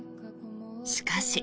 しかし。